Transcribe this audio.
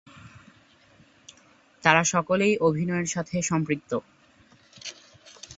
তার সকলেই অভিনয়ের সাথে সম্পৃক্ত।